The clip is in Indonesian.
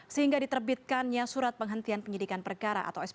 sehingga diterbitkannya surat penghentian penyidikan perkara atau sp tiga